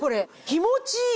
気持ちいい！